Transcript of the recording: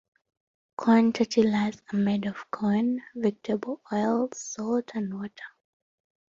Corn tortillas are made of corn, vegetable oil, salt and water.